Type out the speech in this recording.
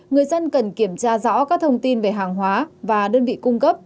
người dân cần kiểm tra rõ các thông tin về hàng hóa và đơn vị cung cấp